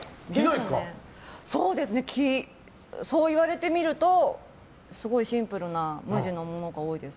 ですね、そう言われてみるとすごいシンプルな無地のものが多いです。